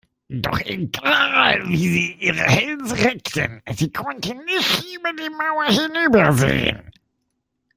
Doch egal, wie sie ihre Hälse reckten, sie konnten nicht über die Mauer hinübersehen.